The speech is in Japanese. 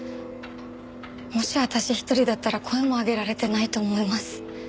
もし私一人だったら声も上げられてないと思います。